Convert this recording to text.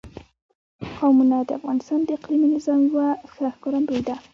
قومونه د افغانستان د اقلیمي نظام یوه ښه ښکارندوی ده.